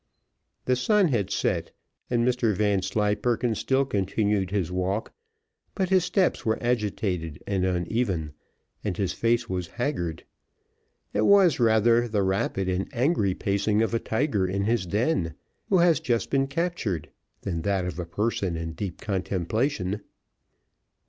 The sun had set, and Mr Vanslyperken still continued his walk, but his steps were agitated and uneven, and his face was haggard. It was rather the rapid and angry pacing of a tiger in his den, who has just been captured, than that of a person in deep contemplation.